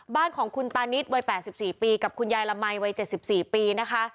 บ้านของคุณตานิดวัย๘๔ปีกับคุณยายละมัยวัย๗๔ปีนะคะ